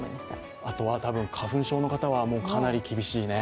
あとは花粉症の方はかなり厳しいね。